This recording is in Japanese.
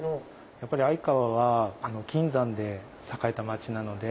やっぱり相川は金山で栄えた町なので。